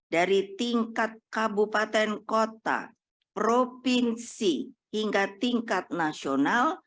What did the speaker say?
dari tingkat kabupaten kota provinsi hingga tingkat nasional